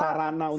sarana untuk mandi